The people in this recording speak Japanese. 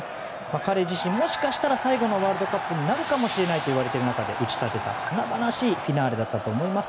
彼自身、もしかしたら最後のワールドカップになるかもしれないといわれている中で、打ち立てた華々しいフィナーレだったと思います。